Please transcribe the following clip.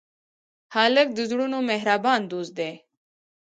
هلک د زړونو مهربان دوست دی.